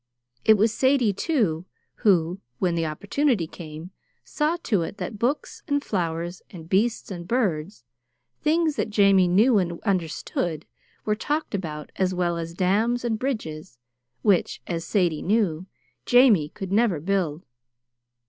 It was Sadie, too, who, when the opportunity came, saw to it that books and flowers and beasts and birds things that Jamie knew and understood were talked about as well as dams and bridges which (as Sadie knew), Jamie could never build.